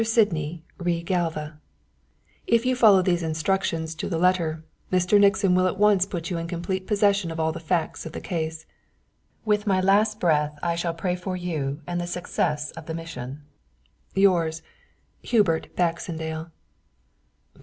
SYDNEY_ re GALVA' "_If you follow these instructions to the letter, Mr. Nixon will at once put you in complete possession of all the facts of the case._ "With my last breath I shall pray for you and the success of the mission. "Yours, "_HUBERT BAXENDALE.